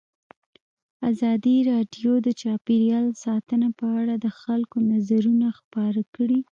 ازادي راډیو د چاپیریال ساتنه په اړه د خلکو نظرونه خپاره کړي.